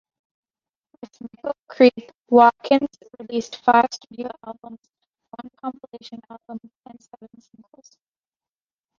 With Nickel Creek, Watkins released five studio albums, one compilation album and seven singles.